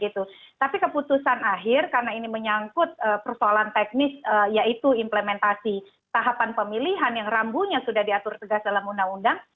tapi keputusan akhir karena ini menyangkut persoalan teknis yaitu implementasi tahapan pemilihan yang rambunya sudah diatur tegas dalam undang undang